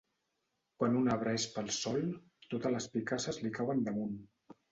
Quan un arbre és pel sòl, totes les picasses li cauen damunt.